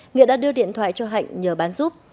nghĩa đã đưa điện thoại cho hạnh nhờ bán giúp